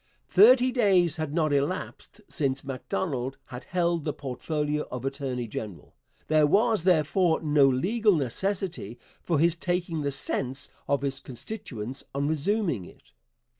Thirty days had not elapsed since Macdonald had held the portfolio of attorney general. There was, therefore, no legal necessity for his taking the sense of his constituents on resuming it.